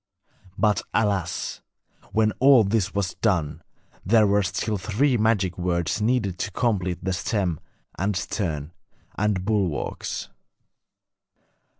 But, alas! when all this was done, there were still three magic words needed to complete the stem and stern and bulwarks.